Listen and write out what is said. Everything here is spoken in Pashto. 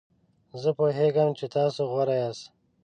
زه پوهیږم چې تاسو غوره یاست.